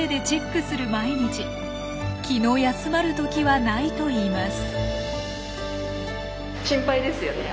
気の休まる時はないといいます。